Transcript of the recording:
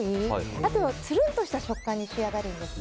あとはつるんとした食感に仕上がるんですね。